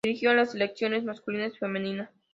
Dirigió a las selecciones masculina y femenina.